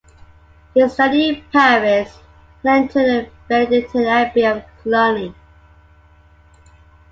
He studied in Paris and entered the Benedictine Abbey of Cluny.